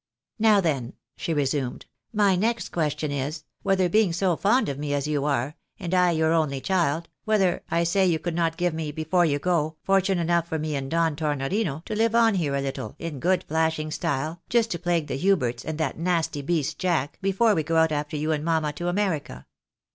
" Now then," she resumed, " my next question is, whether being so fond of me as you are, and I your only child, whether, I say, you could not give me, before you go, fortune enough for me and Don Tornorino to live on here a little, in good flashing style, just to plague the Huberts, and that nasty beast, Jack, before we go out after you and mamma to America